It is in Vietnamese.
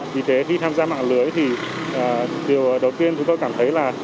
vì thế khi tham gia mạng lưới thì điều đầu tiên chúng tôi cảm thấy là